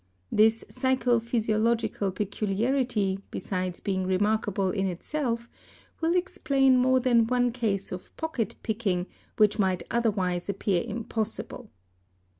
This psycho physiological peculiarity besides being re markable in itself will explain more than one case of pocket picking which "might otherwise appear impossible.